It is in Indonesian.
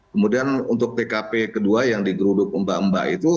kemudian untuk tkp kedua yang digeruduk mbak mbak itu